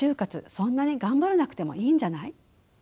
そんなに頑張らなくてもいいんじゃない？」。